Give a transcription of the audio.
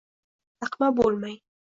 Laqma bo‘lmang!